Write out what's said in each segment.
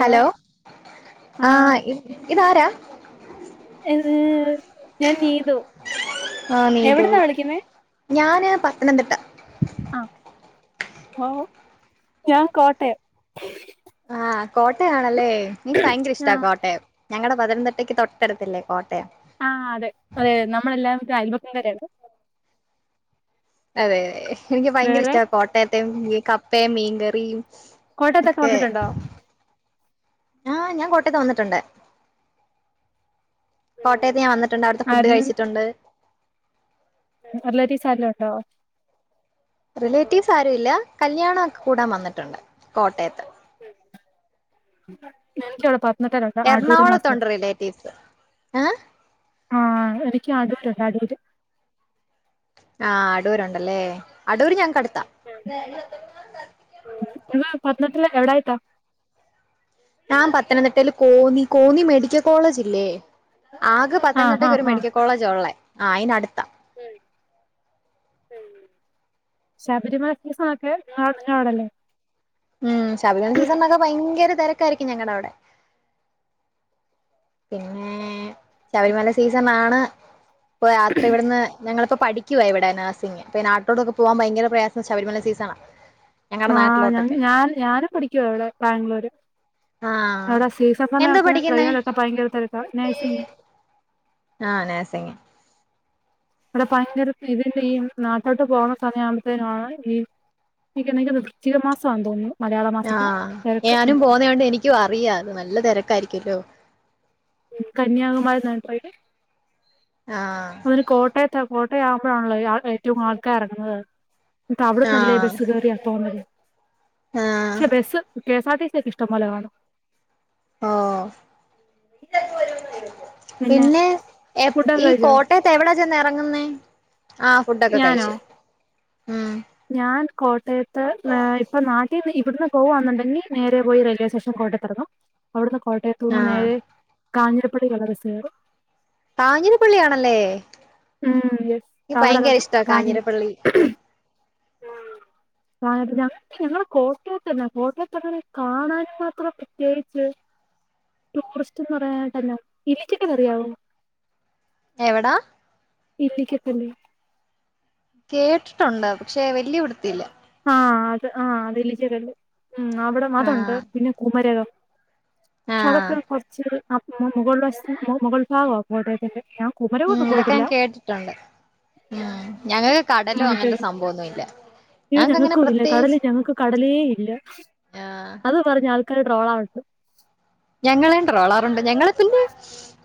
Hello ആഹ് ഇതാരാ ഉം ആഹ് നീതു എവിടുന്നാ വിളിക്കുന്നേ ഞാന് പത്തനന്തിട്ട ആഹ് ഓഹ് ഞാൻ കോട്ടയം ആഹ് കോട്ടയാണല്ലേ ഇൻക്ക് ഭയ്ങ്ക്ര ഇഷ്ടാ ആഹ് കോട്ടയം ഞങ്ങടെ പതനംതിട്ടക്ക് തൊട്ടട്ത്തല്ലേ കോട്ടയം ആഹ് അതെ അതെ നമ്മളെല്ലാം ഒരയൽ വക്കം കാരാണ് അതെ എനിക്ക് ഭയ്ങ്ക്ര വേറെ ഇഷ്ട കോട്ടയത്തെ കപ്പേം മീങ്കറിം കോട്ടയത്തൊക്കെ ക്കെ വന്നിട്ടുണ്ടോ ആഹ് ഞാൻ കോട്ടയത്ത് വന്നിട്ടൊണ്ട് കോട്ടയത്ത് ഞാൻ വന്നിട്ടൊണ്ട് അവിട്ത്തെ ഫുഡ് കഴിച്ചിട്ടൊണ്ട് റിലേറ്റീവ്സ് ആരേലുണ്ടോ റിലേറ്റീവ്സ് ആരു ഇല്ല കല്യണം ഒക്കെ കൂടാൻ വന്നിട്ടൊണ്ട് കോട്ടയത്ത് [unintelligible] [unintelligible] അടൂര് [unintelligible] എറണാകുളത്തുണ്ട് റിലേറ്റീവ്സ് ഏഹ് ആഹ് എനിക്കും ആടൂരൊണ്ട് അടൂര് ആഹ് അടൂരൊണ്ടല്ലേ അടൂര് ഞങ്ങ്ക്കടുത്ത ങ്ങ പത്തനംതിട്ട എവ്ടായിട്ടാ ഞാൻ പത്തനന്തിട്ടേല് കോന്നി കോന്നി മെഡിക്ക കോളേജ് ഇല്ലേ ആകെ ആഹ് പത്തനന്തിട്ടക്ക് ആഹ് ഒരു ആഹ് മെഡിക്കൽ കോളേജാ ഒള്ളേ ആഹ് അയിന്ടുത്ത ശബരിമല സീസണൊക്കെ ആണല്ലേ. ഉം ശബരിമല സീസണൊക്കെ ഭയങ്കര തിരക്കായിരിക്കും ഞങ്ങളുടെ അവിടെ. പിന്നെ ശബരിമല സീസൺ ആണ്. ഇപ്പൊ രാത്രി ഇവിടുന്ന്, ഞങ്ങളിപ്പൊ പഠിക്കുവയ ഇവിടെ നഴ്സിംഗ്. പിന്നെ നാട്ടിലോട്ടോക്കെ പോവാൻ ഭയങ്കര പ്രയാസം ശബരിമല സീസണാ. ഞങ്ങടെ ആ ഞാൻ നാട്ടിലോട്ടൊക്കെ ഞാന ഞാന പഠിക്കുവ അവിടെ ബാംഗ്ലൂര്. ആഹ് അവിടെ സീസൺ എന്താ സമയത്തൊക്കെ പഠിക്കുന്നേ ട്രെയിനൊലൊക്കെ ഭയങ്കര തിരക്ക. നഴ്സിംഗ് ആ നഴ്സിങ്. ഇവിടെ ഭയങ്കര [unintelligible] നാട്ടോട്ട് പോകുന്ന സമയ ആകുമ്പോത്തേനാണ് ഈ എനിക്ക് [unintelligible] വൃച്ചിക മാസാന്ന് തോന്നുന്നു. മലയാള ആ മാസത്തിൽ തിരക്ക് ഉം. ഞാനും പോന്നയോണ്ട് എനിക്കും അറിയ ഇന്ന് നല്ല തെരക്കായിരിക്കല്ലോ. ഉം കന്യാകുമാരിന്നാ ട്രെയിന്. ആ ഒരു കോട്ടയത്ത കോട്ടയ ആവുമ്പഴാണല്ലോ ഏറ്റവും ആൾക്കാർ ഇറങ്ങുന്നത്. എന്നിട്ട് അവ്ടന്നല്ലേ ആഹ് ബസ്സ് കേറിയ പോന്നത്. ആഹ് പക്ഷെ bus, K S R T C ഒക്കെ ഇഷ്ടം പോലെ കാണും. ആ. പിന്നെ എപ് ഫുഡൊക്കെ ഈ കഴിച്ചോ കോട്ടയ ത്ത് എവിടാ ചെന്ന് എറങ്ങുന്നേ? ആ ഫുഡൊക്കെ ഞാനോ കഴിച്ചു. ഉം. ഞാൻ കോട്ടയത്ത്. ഇപ്പം നാട്ടിൽന്ന് ഇവിടുന്ന് പോകന്നുണ്ടെങ്കി, നേരെ പോയി റെയിൽവേ സ്റ്റേഷൻ കോട്ടയത്ത് എറങ്ങും. അവിടുന്ന് കോട്ടയത്തുന്ന് ആഹ് നേരെ കാഞ്ഞിരപള്ളിലുള്ള ബസ് കയറും. കാഞ്ഞിരപ്പള്ളിയാണല്ലേ. ഉം യെസ് ക്ക് ഭയങ്കര അവിടെതൊക്കെ ഇഷ്ടാ കാഞ്ഞിര കാഞ്ഞിരപ്പള്ളി. [unintelligible] ഞങ്ങളെ കോട്ടയത്തെന്ന. കോട്ടയത്തങ്ങനെ കാണാനും മാത്രം പ്രത്യേകിച്ച്, ടൂറിസ്റ്റ് എന്ന് പറയാനായിട്ട് എന്നാ, ഇല്ലിക്കട്ട് അറിയാവോ? എവടാ? ഇല്ലിക്ക കല്ല്. കേട്ടിട്ടുണ്ട്. പക്ഷെ വല്യ പിടുത്തയില്ല. ആ അത് ആ അത് ഇല്ലിച്ച കല്ല് ഉം അവടെ അതുണ്ട്. ആഹ് പിന്നെ കുമരകം. പക്ഷെ ആഹ് അതൊക്കെ കൊറച്ച് മുകൾ വശത്ത് മുകൾ ഭാഗ കോട്ടയത്തിന്റെ. ഉം കുമരകമൊന്നും ഇതൊക്കെ പോയിട്ടില്ല ഞാൻ കേട്ടിട്ടൊണ്ട്. ഉം ഞങ്ങക്ക് ആ, കടലോ അങ്ങനത്തെ മറ്റേത് സംഭവൊന്നുല്ല. അയ്യോ ഞങ്ങക്കൂല കടല് ഞങ്ങക്ക് കടലേ ഇല്ല. ആഹ് അത് പറഞ്ഞ് ആൾക്കാര് ട്രോളാക്കും. ഞങ്ങളേം ട്രോളാറുണ്ട്. ഞങ്ങള് പിന്നെ,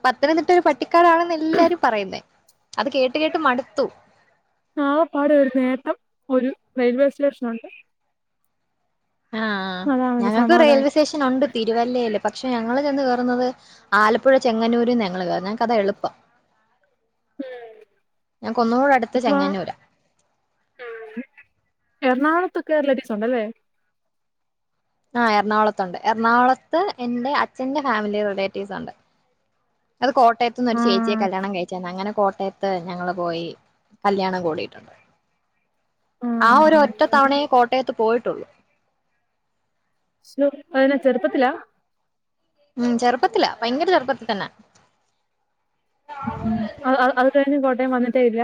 പത്തനംതിട്ട ഒരു പട്ടിക്കാടാണെന്ന എല്ലാരും പറയുന്നേ. അത് കേട്ട് കേട്ട് മടുത്തു. ആകപ്പാടെ ഒരു നേട്ടം ഒരു റെയിൽവേ സ്റ്റേഷനൊണ്ട്. ആ അതാണ് ഒരു ഞങ്ങക്ക് സമാധാനം. റെയിൽവേ സ്റ്റേഷൻ ഒണ്ട് തിരുവല്ലയില്. പക്ഷെ ഞങ്ങൾ ചെന്ന് കേറുന്നത് ആലപ്പുഴ ചെങ്ങന്നൂരന്ന് ഞങ്ങള് കേറുന്നേ. ഞങ്ങക്ക് അതാ എളുപ്പം. ഞങ്ങക്ക് ഒന്നുടെ അടുത്ത് ചെങ്ങന്നൂരാ. ഉം എറണാകൊളത്തൊക്കെ റിലേറ്റീവ്സ് ഉണ്ടല്ലേ? ആ എറണാകൊളത്തുണ്ട്. എറണാകൊളത്ത് എന്റെ അച്ഛന്റെ ഫാമിലി റിലേറ്റീവ്സ് ഉണ്ട്. അത് കോട്ടയത്ത നിന്നൊരു ചേച്ചിയെ ആഹ് കല്യാണം കയിച്ച, അങ്ങനെ കോട്ടയത്ത് ഞങ്ങള് പോയി. കല്യാണം കൂടിയിട്ടുണ്ട്. ആ ഒരു ആഹ് ഒറ്റ അങ്ങനെ തവണയെ കോട്ടയത്ത് പോയിട്ടുള്ളു. ശൊ [unintelligible] ചെറുപ്പത്തിലാ? ഉം ചെറുപ്പത്തില. ഭയങ്കര ചെറുപ്പത്തി തന്ന. ഉം അ അത് കയിഞ്ഞ് കോട്ടയം വന്നിട്ടേയില്ല.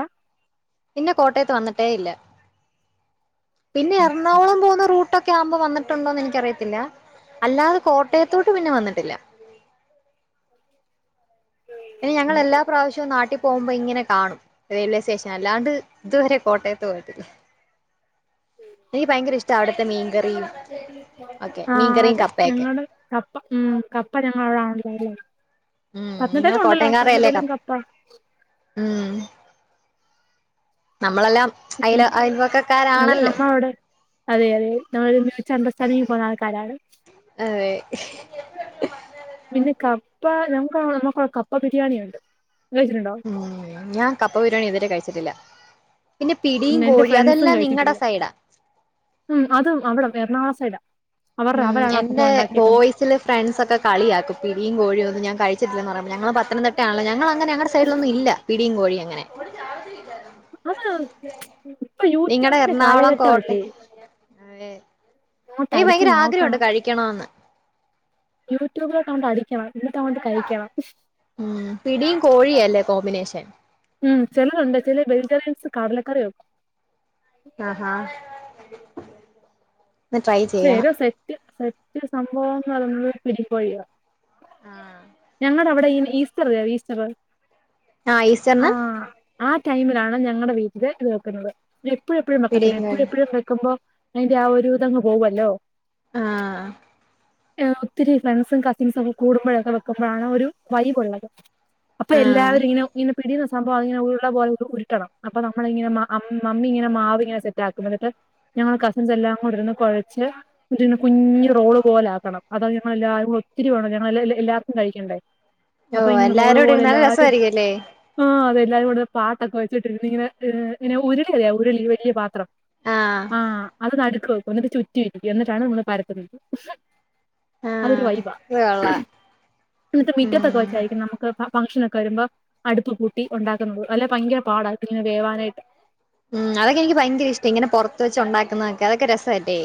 പിന്നെ കോട്ടയത്ത് വന്നിട്ടേ ഇല്ല. പിന്നെ എറണാകുളം പോകുന്ന റൂ ട്ടൊക്കെ ആവുമ്പോ വന്നിട്ടുണ്ടോ എന്ന് എനിക്കറിയത്തില്ല. അല്ലാതെ കോട്ടയത്തോട്ട് പിന്നെ വന്നിട്ടില്ല. പിന്നെ ഞങ്ങൾ എല്ലാ പ്രാവശ്യവും നാട്ടി പോകുമ്പോ ഇങ്ങനെ കാണും റെയിൽവേ സ്റ്റേഷൻ. അല്ലാണ്ട് ഇതുവരെ കോട്ടയത്ത് പോയിട്ടില്ല. എനിക്ക് ഭയങ്കര ഇഷ്ട അവിടുത്തെ മീൻകറിയും ഓക്കെ ആ മീൻകറിയും അത് കപ്പയൊക്കെ ഞങ്ങള് കപ്പ ഉം കപ്പ ഞങ്ങവിടെണണ്ടല്ലേ ഉം നിങ്ങൾ പത്തനതിട്ടയിലും ഇണ്ടല്ലോ കോട്ടയംകാരല്ലേ പത്തനതിട്ടയിലും കപ്പ ഉം നമ്മളെല്ലാം അയില് അയിൽ അതെ വക്കക്കാരാണല്ലോ നമ്മളവിടെ അതെ അതെ നമ്മൾ തമ്മി കൊറച്ച് അണ്ടർസ്റ്റാൻഡിങ്ങ് പോവുന്ന ആൾക്കാരാണ് അതെ പിന്നെ കപ്പ നമുക്ക് നമ്മക്ക കപ്പ ബിരിയാണി ഉണ്ട് കയിച്ചിട്ടുണ്ടോ ഉം ഞാൻ കപ്പ ബിരിയാണി ഇതുവരെ കയിച്ചിട്ടില്ല പിന്നെ ഉം പിടീംയും എന്റെ കോഴീ ഫ്രണ്ട്സും അതെല്ലാം നിങ്ങടെ കഴിച്ചിട്ടില്ല. സൈഡാ ഉം അതും അവിട എറണാകുള സൈഡ അവരുടെ ഉം അവരാണ് അ എന്റെ സംഭവം ഉണ്ടാക്കിയിരിക്കുന്നത്. ബോയ്സില് ഫ്രണ്ട്സ് ഒക്കെ കളിയാക്കും പിയും കോഴിയ ഒന്ന ഞൻ കഴിച്ചിട്ടില്ലെന്ന് പറയുമ്പോ ഞങ്ങള് പത്തനംട്ട ആല്ലോ ഞങ്ങെ ഞുടെ.... സൈഡിലൊന്നും ഇല്ല പിടിയും കോഴിയ അങ്ങനെ. അതാ ഇപ്പൊ നിങ്ങടെ യൂട്യൂബിന്റെ എറണാകുളം കോട്ടെ കാലഘട്ടമല്ലേ. അതെ അങ്ങോട്ട് എനിക്ക് അടിച്ച് ഭയങ്കര ആഗ്രഹംണ്ട് നോക്കണം കഴിക്കണന്ന്. യൂട്യൂബിലൊക്കെുകൊണ്ട് അടിക്കണം എന്നന്നിട്ടതൊണ്ട് കഴിക്കണം. ഉം പിടിയും കോഴിയ അല്ലേ കോമ്പിനേഷൻ. ഉം ചിലരുണ്ട് ചില വെജിറ്ററിയൻസ് കാടലക്കറി വെക്കും. ആഹഹാ. ശേ സെത്യ സെത്യ സംഭവംന്ന് നമ്മള് പിടിക്കയുക. ആഹ ഞങ്ങളുടെ അവിടെ ഈ ഈസ്റ്റർ ഈസ്റ്ററ് ആഹ ഈസ്റ്റർന്നു ആ ആ ടൈമിലാണ് ഞങ്ങളടെ വീട്ടില് ഇത് വെക്കുന്നത് എപ്പോഴെപ്പോഴും വെക്കത്തല്ല പിടിയും എപ്പോഴ കോഴിയും എപ്പോഴും വെക്കുമ്പോ അതിന്റെ ആ ഒരു ഇതങ്ങ് പോവല്ലോ.... ആഹ ഒത്തിരി ഫ്രണ്ട്സും കസിൻസും ഒക്കെ കൂടുമ്പോഴൊക്കെ വെക്കുമ്പോഴാണ് ഒരു വൈബ്ള്ളത് അപ്പൊ ആഹ് എല്ലാവരും ഇങ്ങനെ ഇങ്ങനെ പിടി. സംഭവം അങ്ങനെ ഉരുള പോലെ ഉരുട്ടണം അപ്പ നമ്മളിങ്ങനെമ്മി ഇങ്ങനെ മാവി ഇങ്ങനെ സെറ്റ് ആക്കും എന്നിട്ട്. ഞങ്ങള കസിൻസ് എല്ലാം കൂടെന്ന് കുഴച്ച് കുെ കുഞ്ഞു റോള് പോലെ ആാക്കണം അത ഞങ്ങല്ലാരും ഒത്തിരി വേണം ഞല്ല എല്ലർക്കും കഴിക്കണ്ടേ അപ്പൊ ഓഹ് ഇങ്ങനെ റോള് എല്ലാരും കൂടി ഇരുന്ന് നല്ല പോലെല്ലാരും രസമായിരിക്കുംല്ലേ ആ് അതെല്ലാവരും കൂടെ പാട്ടൊക്കെ വെച്ചിട്ട്ഇങ്ങനെ ഉരുളിയറിയോ ഉരുളി വലിയ പാത്രം. ആഹ് ആഹ അത് നടുക്ക് വെക്കും എന്നിട്ട് ചുറ്റും ഇരിക്കും എന്നിട്ടാണ് നിങ്ങ പരത്തുന്നത് അതൊരു ആഹ് വൈബാ അത് കൊള്ളാം ന്നട്ട് ഉം മിറ്റത്തൊക്കെ രിക്കും നമുക്ക് ഫംഗ്ഷനോക്കെ വരുമ്പോ അടുപ്പ് കൂട്ടി ഉണ്ടാക്കുന്നുള്ളൂ അല്ലെ ഭയങ്കര പാട വേവാനായിട്ട്. ഉം അതൊക്കെ എനിക്ക് ഭയങ്കര ഇഷ്ടം ഇങ്ങനെ പുറത്ത് വെച്ച് ഉണ്ടാക്കുന്നതക്കെ അതക്കെ രസമല്ലെ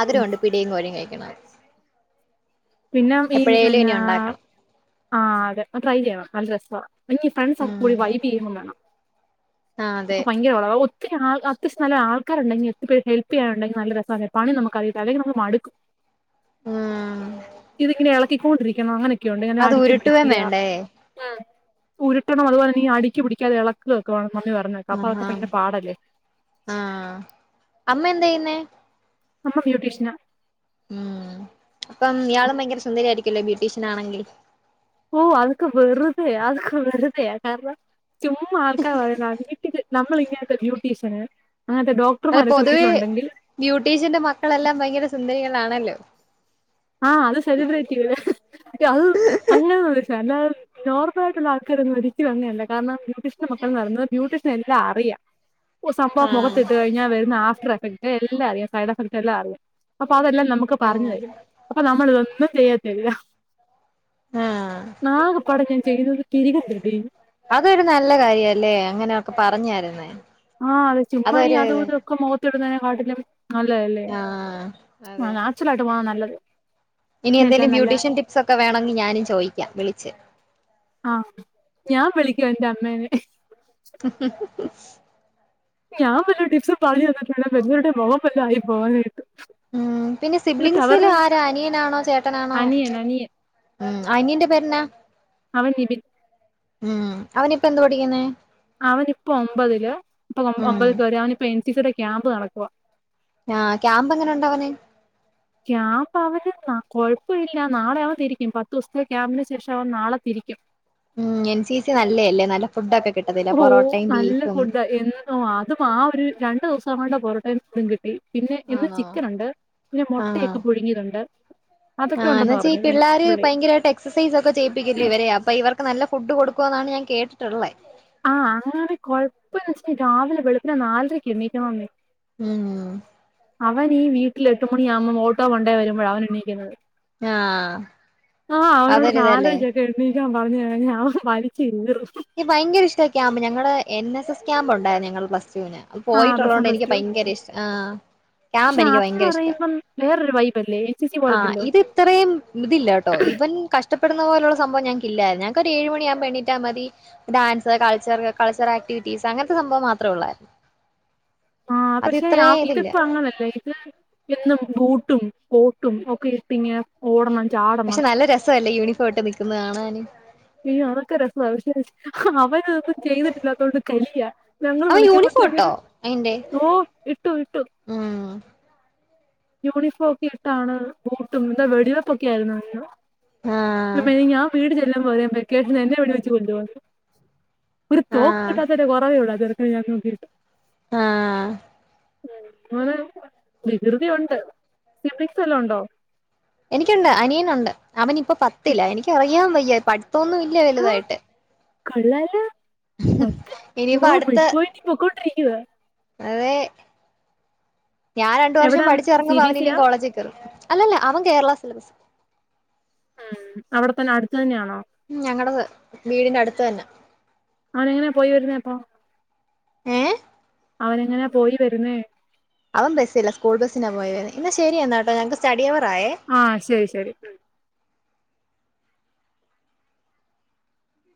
ആഗ്രമുണ്ട് പിടിയും കോഴും കഴിക്കണം പിന്നെ ഈ പിന്ന ഉണ്ടാക്കണം ആഹ അതെ ട്രൈ ചെയ്യണം നല്ല രസമാണ് ഫ്രണ്ട്സ് ഒ ക്കെ കൂടി ഉം വൈ്ബ് ചെയ്യ വേണം ആഹ് അതെ അപ്പൊ ഭയങ്കരള. പിന്നെ അത്യാവശ്യം ആൾാക്കാരുണ്ടെങ്കിൽ എ ഹെല്പ്ചെയ്യാനുണ്ടങ്കിൽ നല്ല രസ പണി നമുക്ക് അയില്ലെങ്കിൽ നമുക്ക് മടുക്കും. ആഹ് ഇതിങ്ങനെ ഇളക്കിക്കൊണ്ടിരിക്കണം അങ്ങനെയൊക്കെയ ഉണ്ട് അങ്ങനെ അടുക്കി ഉരുട്ടുവേം പിടിക്കുക. വേണ്ടേ ഉ് ഉരുട്ടണം അതുപോലെീ അടിക്കി പിടിക്കാതെ ഇളക്കൊക്കെ വേണം മമ്മി പറഞ്ഞേക്കാ അപ്പൊ അതൊക്കെ ഭയങ്കര പാടല്ലേ. ആഹ അമ്മ എന്ത ചെയ്യുന്നെ. അമ്മ ബ്യൂട്ടീഷ്യനാ ഉം അപ്പം ഇയാളും ഭയങ്കര സുന്ദരി ആായിരിക്കല്ലോ ബ്യൂട്ടീഷ്യൻ ആണെങ്കിൽ. ഓ് അത്ക്ക വറുതെ അത്ക്ക വറുതെ കാരണം ചുമ്മ ആൾക്കാർ പറയുന്ന നമ്മൾ ഇങ്ങനത്തെ ബ്യൂട്ടീഷ്യന് അങ്ങനത്തെ ഡോക് അല്ല പൊതുവെ ബ്യൂട്ടീഷ്യന്റെ മക്കളെല്ലാം ഭയങ്കര സുന്ദരികളാണല്ലോ ആഹ അത് സെലിബ്രേറ്റികൾ അത് അങ്ങനെന്ന [unintelligible] നോർമൽ ആട്ടുള്ള ആൾക്കാരൊന്നു ഒരിക്കലും അങ്ങനെ അല്ല കാരണം ബ്യൂട്ടി ഷൻ മക്കൾ എന്ന് പറുന്നത് ബ്യട്ടീഷൻ എല്ലാം അറിയാം സംഭവം ആഹ് മുഖത്തിട്ട്ഴിഞ്ഞൽ വരുന്ന ആഫ്റ്റർ എഫക്ട് എല്ലാം അറിയാം സൈഡ് എഫക്ട് എല്ലാം അറിയാം അപ്പ അതെല്ലാം നമുക്ക് ഇക്ക പറഞ്ഞു ആഹ് തെരും അപ്പൊ നമ്മള് ഇതൊന്നും ചെയ്യത്തില്ല ആഹ് നാഗ പടക്കൻ ചെയ്തത് തിരികെകിട്ടി അതൊരു നല്ല കാര്യാല്ലേ അങ്ങനെയൊക്കെ പറഞ്ഞ് എരന്നേ ആഹ് അത് ചുമ്മാ ഈ അതും ഇതും ഒക്കെ മാെഖത്ത് ഇട്ന്നതിനെ കാട്ട്ലും അല്ലേ അല്ലേ ആഹ് ആഹ് അതെ നാച്ചാെറൽ ആയിട്ട് പോണതാ നല്ലത് ഇനി എന്തേലും പിന്നെല്ലാം നല്ല ബ്യൂട്ടീഷ്യൻ ടിപ്സ് ഒക്കെ വേണെങ്കിൽ ഞാനും ചോയിക്ക വിളച്ച് ആഹ് ഞാൻ വിളിക്കും എന്റെ അമ്മേനെ ഇഹ് ഇഹ് ഇഹ് ഹ് ഞാൻ വല്ല ടിപ്സും പാടി വന്നിട്ട് വേണം വല്ലോര്ടെ മൊഖം വല്ലൊആയി പോവാനായിട്ട് ഉം പിന്നെ എന്നിട്ട് സിബ്ലിംങ്സില് അവരുടെ ആരാ അനിയനാണോ ചേട്ടനാണോ അനിയൻ അനിയൻ ഉം അനിയന്റെ പേരന്നാ അവൻ നിബിൻ ഉം അവനിപ്പ എന്ത് പഠിക്ക്ന്നേ അവനിപ്പൊ ഒമ്പതില് ഇപ്പൊ ഒം ഉം ഒമ്പതിൽ കേറി അവനിപ്പാെ എൻ സി സി യ്ടെ ക്യാമ്പ് നടക്കുവാ ആഹ് ക്യാമ്പ് എങ്ങനെ ഉണ്ടവന് ക്യാമ്പവന് ന്നാ കൊഴപ്പാെ ഇല്ല നാളെ അവൻ തിരിക്കും പത്തൂസ്ത്തെ ക്യാമ്പിന് ശേഷം അവൻ നാളെ തിരിക്കും ഉം എൻ സി സി നല്ല എല്ലേ നല്ല ഫുഡൊക്കെ കിട്ടത്തില്ലെ ഓ പൊറോട്ടയും നല്ല ബീഫും ഫുഡ് [unintelligible] അതും ആഹ് ഒര് രണ്ട് ദിവസം കൊണ്ട് പൊറോട്ടയും ഇതും കിട്ടി പിന്നെ ഇന്ന് ആണോ ചിക്കനുണ്ട് പിന്നെ ആഹ് മാെട്ടയെക്കെ പുഴുങ്ങിയതുണ്ട് അതൊക്കെ ആഹ് ഉണ്ടെന്ന് എന്നച്ചാ ഈ പറഞ്ഞു ഇവൻ പിള്ളേര് പുള്ളി ഭയങ്കരായിട്ട് എക്സസൈസ് ഒക്കെ ചെയ്യിപ്പിക്കില്ലെ ഇവരെ അപ്പൊ ഇവർക്ക് നല്ല ഫുഡ് കൊടുക്കുവെന്നാണ് ഞാൻ കേട്ടിട്ട്ള്ളെ ആഹ് അങ്ങനെ കൊഴപ്പം എന്നച്ചാ രാവിലെ വെളുപ്പിന് നാലരക്ക് എണീക്കണോംന്നെ ഉം അവൻ ഈ വീട്ടിൽ എട്ട് മണിയാവുമ്പം ഓട്ടോ കൊണ്ടേ വരുമ്പഴാ അവൻ എണീക്ക്ന്നത് ആഹ് ആഹ് അവനോട് അതൊരിതല്ലേ നാലരക്ക് എനിക്ക് എഴ്ന്നേക്കാൻ പർഞ്ഞ് കഴിഞ്ഞ അവൻ വലിച്ച് കീറും ഇക്ക് ഭയങ്കര ഇഷ്ട്ടാ ക്യാമ്പ് ഞങ്ങള് എൻ എസ് എസ് ക്യാമ്പ് ഉണ്ടായിന്നു ഞങ്ങൾ പ്ലസ്ടുവിന് അം ആ പ്ലസ് വൺ, പോയിട്ടുള്ളോണ്ട് പ്ലസ് എനിക്ക് ടു. ഭയങ്കര ഇഷ്ട്ട ആഹ് ക്യാമ്പ് പക്ഷെ എനിക്ക് അതെന്ന് ഭയങ്കര ഇഷ്ട്ടാ പറയുമ്പം വേറൊരു വൈബല്ലേ എൻസിസി ആഹ് പോലല്ലല്ലോ. ഇത് ഇത്രയും ഇതില്ലാട്ടോ ഇവൻ കഷ് ഇഷ്ട്ടപ്പെട്ന്ന പോലുള്ള സംഭവം ഞങ്ങക്ക് ഇല്ലാ ഞങ്ങക്ക് ഒര് ഏഴ് മണിയാമ്പൊ എണീറ്റാമതി ഡാൻസ് കൾച്ചർ കൾച്ചറാക്ടിവിറ്റീസ് അങ്ങൻത്തെ സംഭവം മാത്രെ ഉള്ളായിരുന്നു ആഹ് അത് പക്ഷെ ഇത്രേ ഇതില്ല ആംഇത്പ്പാെ അങ്ങനെല്ലേ ഇത് എന്നും ബൂട്ടും കോട്ടും ഒക്കെ ഇട്ടിങ്ങ് ഓടണം ചാട് പക്ഷെ നല്ല രസവല്ലേ ഇയൂണിഫോം ഇട്ട് നിക്ക്ന്നത് കാണാന് ഈ അവൻക്കത് രസ്വന്നൊല്ല പക്ഷെ അവനത് ചെയ്ത്ട്ട്ല്ലാതോണ്ട് കലിയാ ഞങ്ങൾ അവൻ യൂണിഫോം വിളിക്കുമ്പത്തേന് ഇട്ടോ അയിന്റെ ഓ ഇട്ടു ഇട്ടു ഉം യൂണിഫോം ഒക്കെ ഇട്ടാണ് ബൂട്ടും എന്താ വെടിവെപ്പൊക്കെ ആയിരുന്നു എന്തോ ആഹ് ഇന്റമ്മേ ഞാൻ വീട് ചെല്ലുമ്പൊര് വെക്കേഷന് എന്നെ വെടി വെച്ച് കൊല്ലാേന്ന് ഒര്തോക്ക് ആഹ് കിട്ടാത്തതിന്റെ കൊറവേ ഒള്ളൂ ആഹ് ചെർക്കന് ഞാൻ നോക്കിയിട്ട് ആഹ് മോന് വികൃതി ഉണ്ട് സിബ്ലിംങ്സ് വല്ലോംഉണ്ടോ എനിക്കുണ്ട് അനിയനുണ്ട് അവനിപ്പാെ പത്തിലാ എനിക്കറിയാൻ വയ്യ പഠിത്തൊന്നുംഇല്ല വെല്തായിട്ട് കൊള്ളാലൊ പത്ത് ഇനിയിപ്പോ ഓ അടുത്ത ബിഗ്പോയന്റി പൊക്കോണ്ടിരിക്കുവാ അതെ ഞാൻ രണ്ടു വർഷം എവിടാ പഠിച്ച് സി എറങ്ങുമ്പാെ ബി അവന് എസ് സിയാ ഇനിയും കോളേജ്ക് തെരോ അല്ലല്ല അവൻ കേരള സിലബസ് ആഹ് അവിടെത്തന്നെ അട്ത്ത് തന്നെയാണോ ഉം ഞങ്ങടെ വീടിന്റെ അട്ത്ത് തന്നാ അവനെങ്ങനെയാ പോയി വെര്ന്നത് അപ്പോ ഏ അവനെങ്ങനാ പോയി വെരുന്നേ? അവൻ ബസ്സ് ഇല്ലാ സ്കൂൾ ബസ്സിലാ പോയ്വര്ന്നെ എന്നാ ശെരി എന്നാ കേട്ടോ ഞങ്ങക്ക് സ്റ്റഡി അവർ ആയേ. ആഹ് ശെരി ശെരി.